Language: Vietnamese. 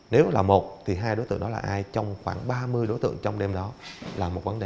nếu là một thì hai đối tượng đó là ai trong khoảng ba mươi đối tượng trong đêm đó là một vấn đề